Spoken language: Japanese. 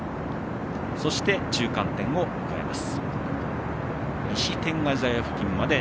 そして、中間点を迎えます。